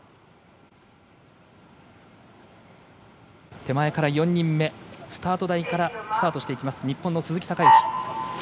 手前から４人目スタート台からスタートしていく日本の鈴木。